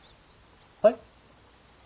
はい？